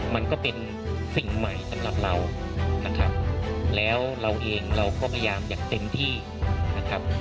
มันก็เป็นสิ่งใหม่สำหรับเรานะครับแล้วเราเองเราก็พยายามอย่างเต็มที่นะครับ